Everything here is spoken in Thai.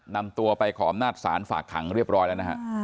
นำตัวไปขออำนาจศาลฝากขังเรียบร้อยแล้วนะฮะ